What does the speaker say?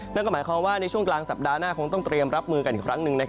นั่นก็หมายความว่าในช่วงกลางสัปดาห์หน้าคงต้องเตรียมรับมือกันอีกครั้งหนึ่ง